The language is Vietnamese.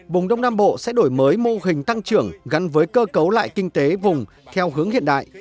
vùng đông nam bộ sẽ đổi mới mô hình tăng trưởng gắn với cơ cấu lại kinh tế vùng theo hướng hiện đại